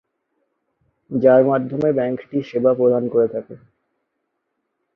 যার মাধ্যমে ব্যাংকটি সেবা প্রধান করে থাকে।